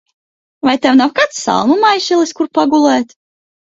Vai tev nav kāds salmu maišelis, kur pagulēt?